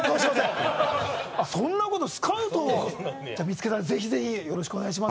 そんなことスカウトをじゃあ見つけたらぜひぜひよろしくお願いします